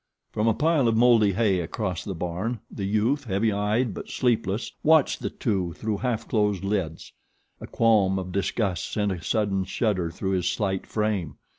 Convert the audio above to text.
From a pile of mouldy hay across the barn the youth, heavy eyed but sleepless, watched the two through half closed lids. A qualm of disgust sent a sudden shudder through his slight frame.